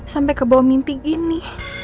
sampai ke bawah mimpi gini